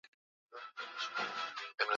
Kiswahili ni kigumu sana.